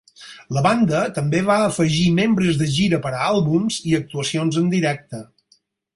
La banda també va afegir membres de gira per a àlbums i actuacions en directe.